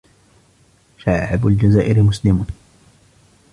شعب الجزائر مسلم